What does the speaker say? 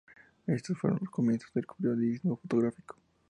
Y estos fueron los comienzos del periodismo fotográfico.